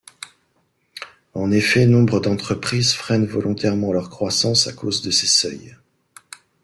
En effet, nombre d’entreprises freinent volontairement leur croissance à cause de ces seuils.